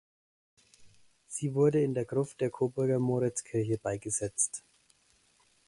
Sie wurde in der Gruft der Coburger Moritzkirche beigesetzt.